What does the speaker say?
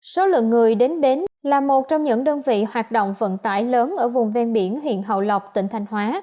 số lượng người đến bến là một trong những đơn vị hoạt động vận tải lớn ở vùng ven biển huyện hậu lộc tỉnh thanh hóa